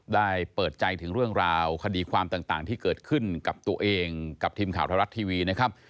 ได้เปิดใจถึงเรื่องราวคดีความต่างที่เกิดขึ้นกับตัวเองกับทีมข่าวไทยรัฐทีวีนะครับ